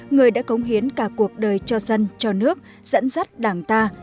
người đã cống hiến cả cuộc đời cho dân cho nước dẫn dắt đảng ta